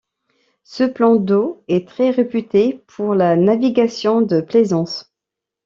Ce plan d'eau est très réputé pour la navigation de plaisance.